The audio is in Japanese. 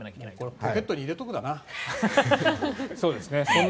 ポケットに入れておくだな。